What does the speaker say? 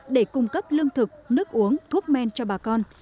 để cung cấp lương thực nước uống thuốc men cho bà con